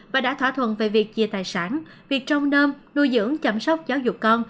và đã thỏa thuận về việc chia tài sản việc trông nơm nuôi dưỡng chẩm sốc giáo dục con